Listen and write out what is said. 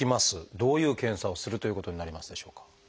どういう検査をするということになりますでしょうか？